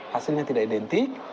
hasilnya tidak identik